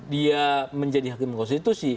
dia menjadi hakim konstitusi